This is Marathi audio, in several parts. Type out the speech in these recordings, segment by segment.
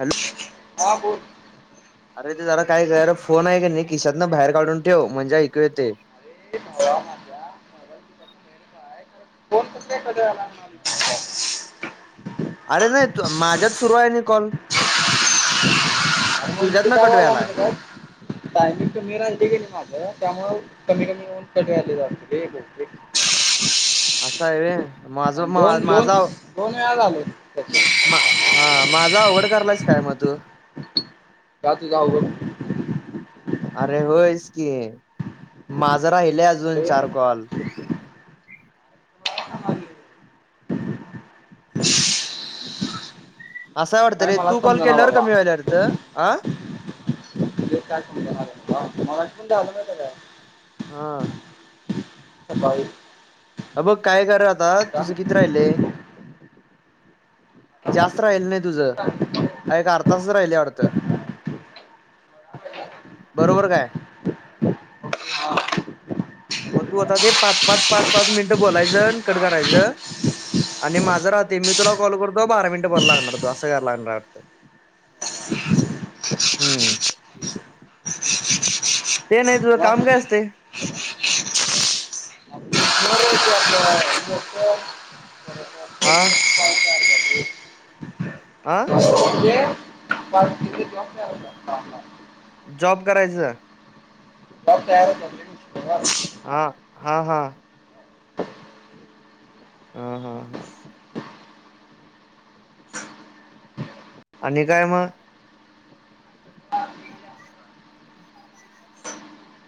हॅलो हा बोल अरे ते जरा काय कर फोन आहे का नाही किशातनं बाहेर काढून ठेव म्हणजे ऐकू येतंय. माझा फोन कस काय कट झाला अरे नाही माझ्यात सुरू आहे नाही कॉल म ते तुझ्यातन कट कायला व्हायलाय म्हत का टायमिंग कमी राहीलय कणी त्यामुळ कमी -कमी होऊन कट व्हायलय जरा बहुतेक आवाज असं आहे रे माझ आणि दोन दोन माझा दोन वेळा झालं तसं हा माझा आवघड करलायस काय मग तू का तझ होग अरे होयस की माझं राहिलंय अजून अरे चार कॉल असा वाटतं काय रे मला तू कॉल समजना केल्यावर बाबा कमी व्हायल्या अर्थ आ ते काय समजना जालंय. मला येथून दाव माहीत आहे काय. हम. चालेल. अ बघ काय कर आता. तुझं किती राहिले? जास्त राहिल नाही तुझ. एक अर्धा तासच राहिलय वाटतं. बरोबर काय. हा मग तू आता ते पाच पाच पाच पाच मिनिटं बोलायचं कट करायचं. आणि माझं राहते. मी तुला कॉल करतो बारा मिनिट बोलायला लागणार तुला. असं करायला लागणार वाटतं. हम्म. ते नाही. तुझं मग काम काय असते? [unintelligible] [unintelligible] हा. काय झालं रे? आं. कोण आहे ते. पाच मिनिटे तुला हा हा. जॉब करायचं. जॉब तयार होतात रे. तेव्हाच हम ह ह. ह ह ह. आणि काय मग?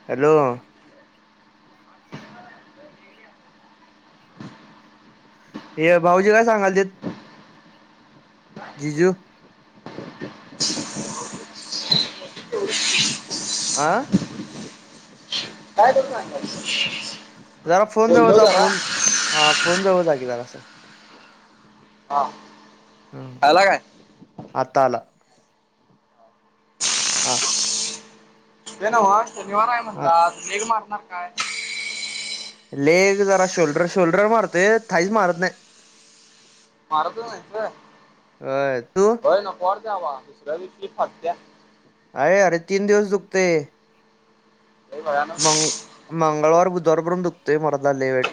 हॅलो. ते भाऊजी काय सांगालतीत? जीजू हा. का तर सांगायचं. जरा फोन जवळ जा. फोन. हा फोन जवळ जा की जरास. हा. हम्म आला काय.? आता आला. हा. ते नव्ह. शनिवार आहे हा म्हणला, लेग मारणार काय? लेग जरा. शोल्डर शोल्डर मारते. थाईच मारत नाही. मारत नाहीस होय. होय तू होय नको वाटतेय बाबा. दुसऱ्या दिवशी फाटत्या. अरे अरे तीन दिवस दुखतय. लय भयानक मंग मंगळवार, बुधवारपर्यत दुखतय मर्दा लय वाईट.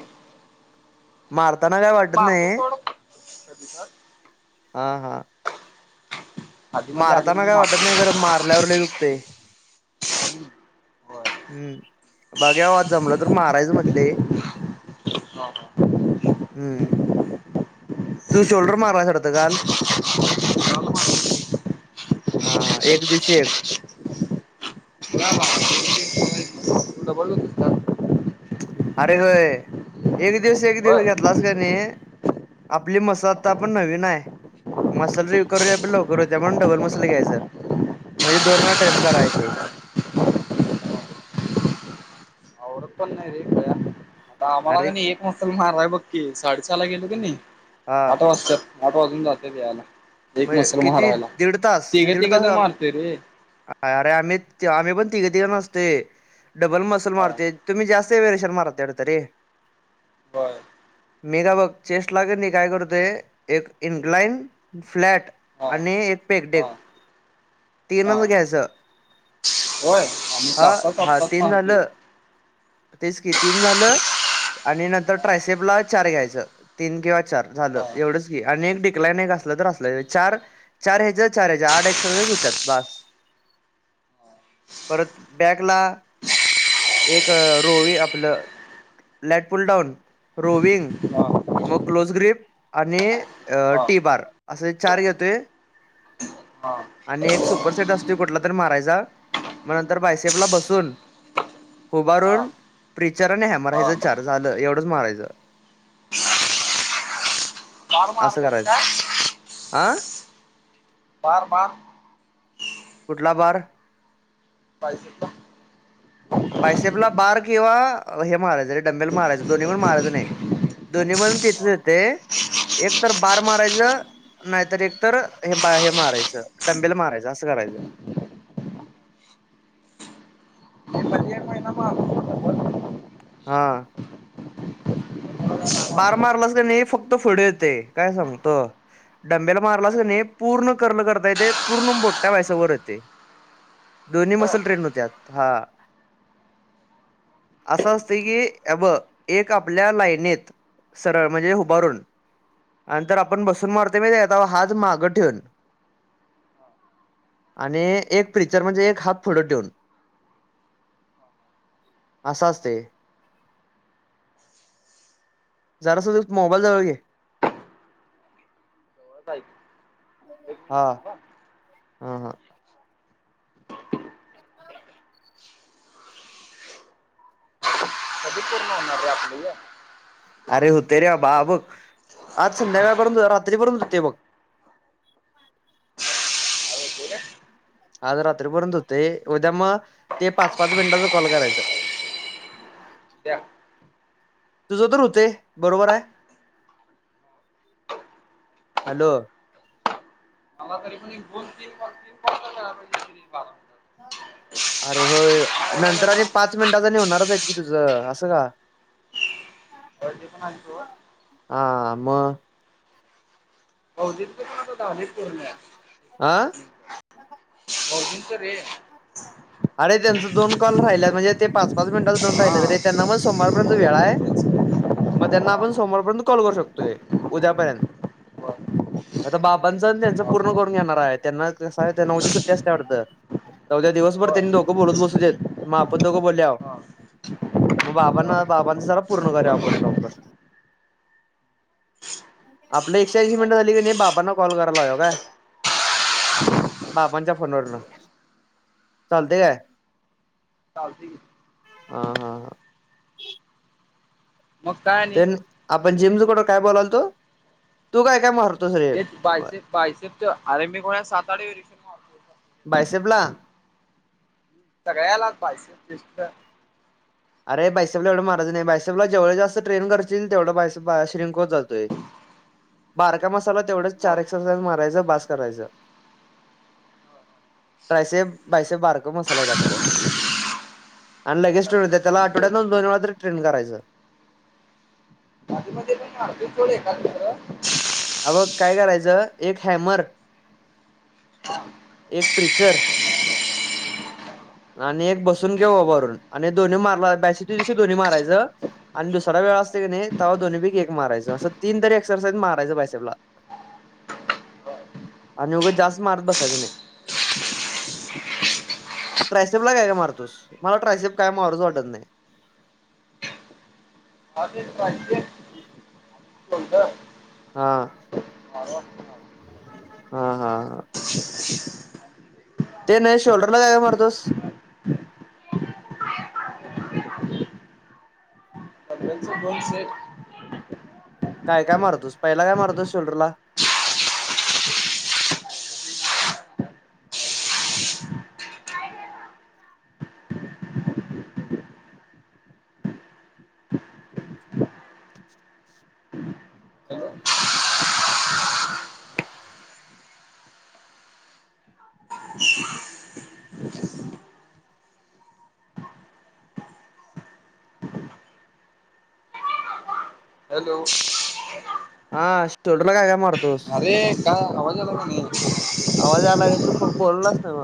मारताना काय मी वाटत मारतोय नाही. सोड कधी तर हा हा. आधी मध्ये आधी मारताना मध्ये काय मारतो वाटत नाही. खरं मार कुल्ल्यावर दुखते. हम्म. बघूया बा. जमलं तर मारायचं म्हटलय. हो हो. हम्म. तू शोल्डर मारलायस वाढतं काल? होय ह एक दिवशी एक. ह ह. तिला बोलली होतीस का. अरे होय एक दिवस एक होय दिवस घेतलास का नाही. आपली मसालता पण नवीन आहे. मसल आपल्या लवकर होत्या त्यामुळे डबल मसल घ्यायचा. म्हणजे दोन वेळा ळा ट्रेन करायचे. पण नाही रे आता आम्हाला अरे का नाही. मासा माराय बघ की साडे सहा ला गेलो की नाही हा आठ वाजतात. आठ वाजून जातात यार एक म्हणजे मसल किती मारायला दीड तास तिघं दीड तास तिघं मारते रे. अरे आम्ही आम्ही पण तिघे तिघं नसते डबल मसल हा मारते तुम्ही जास्त. अस वेर शर् मारत हे तरी. बरं. मी बघ चेस्ट लागेल नाही काय करते एक इनलाइन. फ्लॅट हा आणि एक हा पेकडेक. हा तीनच घ्यायच होय आम्ही हा तासात हा तासात तीन मारतोय झालं. तेच की तीन झालं आणि नंतर ट्रायसेपला चार घ्यायचं. तीन किंवा चार झालं हा हा एवढंच की आणि एक डिक्लाईन एक असलं तर असलं चार. चार हे ज्या चार हे ज्या आठ एक्झरसाइज होतात बास. परत बॅकला एक रो वे आपलं. Lat pulldown rowing. मग क्लोज ग्रीप आणि हा टी बार असे चार घेतोय. हा आणि एक सुपरसेेट असते कुठला तरी मारायचा मग नंतर बायसेफला बसून. हा उभारून प्रिचर आणि हॅमराईज हा चार झालं एवढंच मारायचं. [inaudible] वार् स. आं. बार बार. कुठला बार. पाहिजे का. बाय सेफ ला बार किंवा हे मारायचं रे डंबेल मारायचं दोन्ही पण मारायचं नाही. दोन्ही मधून तिथे येते एक तर बार मारायच. नाहीतर एक तर हे बा हे मारायचं डंबेल मारायचं असं करायचं. म्हणजे एक महिना मारून बघायचं. हा. एक बार मारलंस का नाही फक्त पुढ येत काय सांगत. डंबेल मारलास की नाही पूर्ण करण करता येते पूर्ण मोठ्या सावर येते. दोन्ही मसल ट्रेन होत्यात हा. असं असते की अ ब एक आपल्या लाईनेत. सरळ म्हणजे उभारून. आणिं तर आपण बसून मारते की नाही तेव्हा हात मागं ठेवून. आणि एक फिचर म्हणजे एक हात पुढे ठेऊन. असं असते. जरास मोबाईल जवळ घे. [inaudible] मिनिट हा. थांबा आ हा. कधी पुर्ण होणारे आपलं हे. अरे होतय रे अबा हे बग, आज संध्याकाळापर्यंत रात्रीपर्यंत होतंय बघ. अरे होतंय काय? आज रात्रीपर्यंत होतंय उद्या मग, ते पाच पाच मिनिटांचा कॉल करायचं. [unintelligible] द्या. तुझं तर होतेय, बरोबर आय. हॅलो. मला तरी पण एक दोन तीन कॉल, तीन कॉल तर करायला पाहिजे. [unintelligible] [unintelligible] अरे होय नंतर आणि पाच मिनिटाच आणि, होणारच आहेत की तुझं असं का. बर्थडे पण आहे सोबत. आ मग. [unintelligible] झालीत पुर्ण. आ. [unintelligible] रे अरे त्यांचं दोन कॉल राहिलात म्हणजे ते, पाच-पाच मिनिटाचं दोन राहिलेत रे, त्यांना पण सोमवारपर्यंत वेळ आहे. मग त्यांना हा, आपण सोमवारपर्यंत कॉल करू शकतोय उद्यापर्यंत. बरं. आता बाबांच त्यांचं हा, पूर्ण हा. करून घेणार आहे, त्यांना कसं आहे त्यांना उद्या सुट्टी असत्या वाटतं. उद्या दिवसभर होय. त्यांनी दोघं बोलत बसू देत, मग आपण दोघं बोलुया. हा. मग बाबांना बाबांचं जरा पूर्ण करूयात आपण लवकर. आपलं एकशेऐंशी मिनटं झाली कणी, बाबांना कॉल करायला लावुया काय. बाबांच्या फोनवरन. चालतंय काय, चालतंय की. हा हा. मग काय आणि ते आपण जिमच कुठं काय बोलालतो, तु काय काय मार तेच बायसे बायसेब अरे मी कोणा सात आठ मारतो बायसेपला. सगळ्यालाच बायसेब दिसत. अरे बायसेबला एवढं मारायच नाही, बायसेबला जेवढे जास्त ट्रेन करचील, तेवढं बायसेब श्रींक होतं जातोय. बारका मसाला तेवढंच, चार एक्सरसाइज मारायच बास करायचं. ट्रायसेब बायसेब बारक मसल आहेत आपलं, आणि लगेच स्टेत होत्यात. त्याला आठड्यातन दोन वेळा तर ट्रेन करायचं. आधी मधी पण मारतोय सोड एखादं दुसरं. अ बघ काय करायचं, एक हॅमर. [unintelligible] एक प्रिचर. आणि एक बसून किंवा उभारून, आणि दोन्ही मारला बायसेब दिवशी दोन्ही मारायचं. आणि दुसरा वेळ असतो कणी तेव्हा दोन्हीपैकी एक मारायचं, असं तीन तरी एक्सरसाईज मारायचं बायसेपला. आणि उगच जास्त मारत बसायचं नाही. ट्रायसेबला काय काय मारतोस, मला ट्रायसेब काय मारूच वाटत नाही. आधी ट्रायसेब. [unintelligible] हा, हा हा हा. ते नाही, शोल्डरला काय काय मारतोस. त्यांच दोन सेट. काय काय मारतोस, पहिला काय मारतोस शिल्डरला. Hello hello. हा शोल्डरला काय काय मारतोस? अरे का आवाज आला की नाई? आवाज यायलाय तु पोक बोलानास न्हव.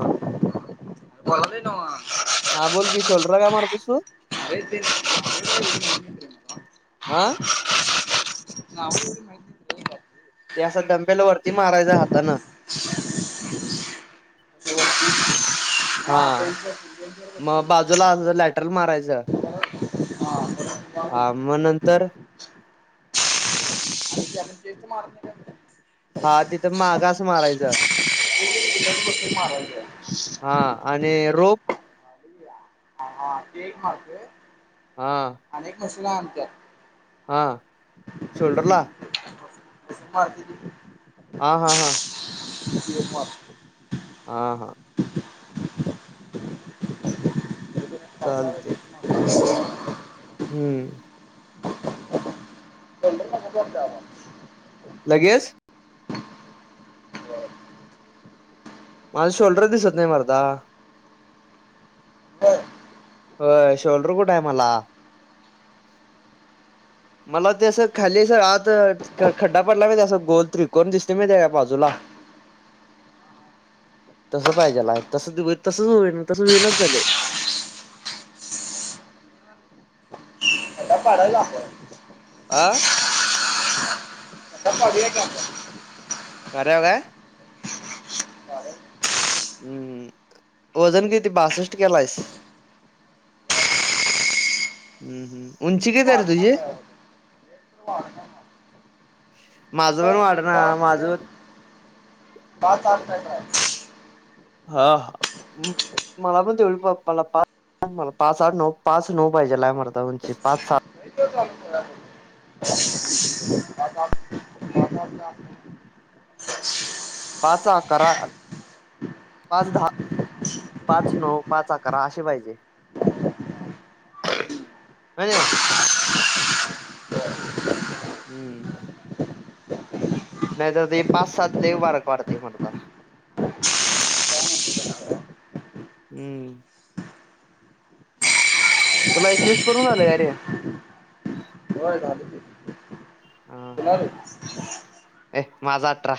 बोलालुय न्हव. हां बोलं बी शोल्डरला कायं मारतूस तूं? [inaudible] आं? नाव तेवढी काय ते असं डंबेल वरती मारायचं हातान. रे हा बेंचवर बेंचवर म बसून बाजूला अस लॅट ट्रल मारायचं, हा परत जाऊन हा म नंतर तेच मॉर्निंग हा तिथं माग आस मारायच. [unintelligible] मारायचं. हां आणि रोपं हां ते एक मारतो. हां. आणि कसला आणत्यात? हां शोल्डरला? [unintelligible] आ, हा हा. ती एक मार. हा हा. चालतंय. हम्म. शोल्डरला कसं वाटतंय आता? लगेच? माझा शोल्डरच दिसत नाय मर्दा. खड्डा होय शोल्डर कुठाय मला? मलां ते असं खाली सगळं आतच खंडा पडलां माहिती आय असं गोल त्रिकोण दिसतय माहिताय काय बाजूंला. तसं पाहिजेलाय तसं तसंच होईन तसं होनाच झालय. खड्डा पाडायंला आपण. आं? खड्डा पाडूया की आपण. खऱ्याव काय? पाडूया. हम्मं, ओजन किती बासष्ट केलांयस? हम्मं हम्मं, उंची किती आय र वाढणार तुझी? पाहिजे आपण. [unintelligible] माझं पण तिथं वाढायना माझं पाच- पाच आठ कायतर हाय. हां हम्म मला पण तेवढी पप्पाला पा मलां पांच आठ नऊ पाच नऊ पाहिजेलाय मर्दा उची पांच सात लय दिवस झालं पळालोय. [unintelligible] [unintelligible] पाच अकरा पाच -दहा, पाच -नऊ, पाच- अकरा असे पाहिजे. [unintelligible] हम्मं नाहीतर ती पाच सात लई बारक वाटतंय मर्दा हम्मं हम्मं तुला एकवीस पूर्ण झालं काय रे? होय झालं. हा हा ए माझं अठरा.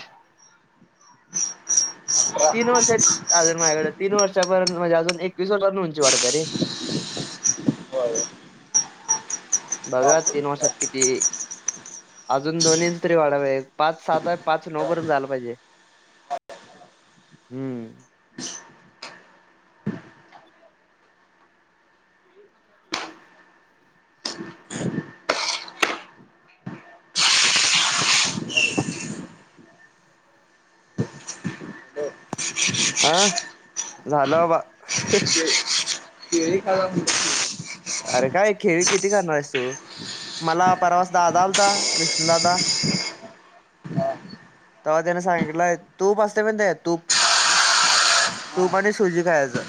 तीन अकरा. वर्ष आहेत अजून माझ्याकडे तीन वर्षापर्यंत म्हणजे अजून एकवीस वर्षापर्यंत उंची वाढत्या रे. व्हय व्हय. बघा तीन वर्षात किती? अजून दोन इंच तरी वाढाय पाहिजे. पाच सात आहे. पाच नऊ होय. पर्यंत जायाला पाहिजे. हम्म हं झालं बाबा केळी खाया लागलोय. अरे काय केळी किती खाणार आहेस तू? मला परवास दादा आलता विष्णूदादा. की. हा. तवा त्याने सांगितलंय तूप असते महितय का? तूप हा तूप आणि सूजी खायचं.